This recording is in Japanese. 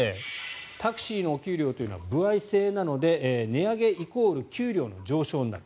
タクシーのお給料というのは歩合制なので値上げイコール給料の上昇になる。